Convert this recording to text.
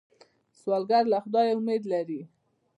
سوالګر له خدایه امید لري